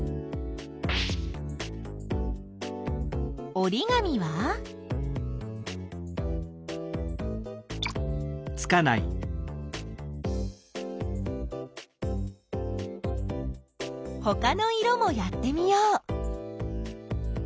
おりがみは？ほかの色もやってみよう。